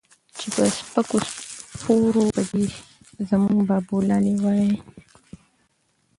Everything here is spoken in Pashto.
چې پۀ سپکو سپورو به دے زمونږ بابولالې وائي